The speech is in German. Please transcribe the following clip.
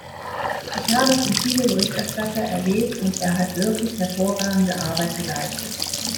Ich habe schon viele Berichterstatter erlebt, und er hat wirklich hervorragende Arbeit geleistet.